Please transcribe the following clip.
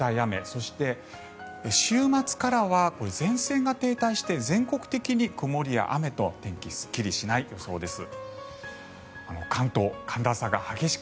そして、週末からは前線が停滞して全国的に曇りや雨と天気、すっきりしない予想です。